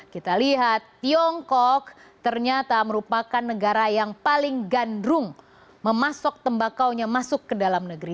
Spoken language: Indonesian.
kita lihat tiongkok ternyata merupakan negara yang paling gandrung memasok tembakaunya masuk ke dalam negeri